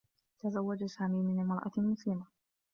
تزوّج سامي من امرأة مسلمة.